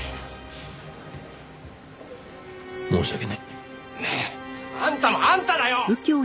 申し訳ない。あんたもあんただよ！